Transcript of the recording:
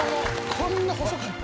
・こんな細かった？